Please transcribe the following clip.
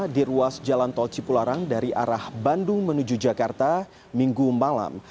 di ruas jalan tol cipularang dari arah bandung menuju jakarta minggu malam